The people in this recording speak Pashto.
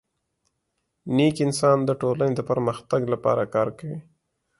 نیک انسان د ټولني د پرمختګ لپاره کار کوي.